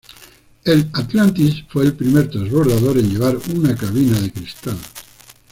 El "Atlantis" fue el primer transbordador en llevar una cabina de cristal.